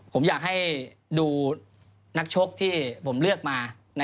ผมอยากให้ดูนักชกที่ผมเลือกมา